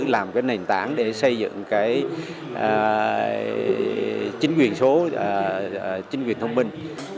làm cái nền tảng để xây dựng cái chính quyền số chính quyền thông minh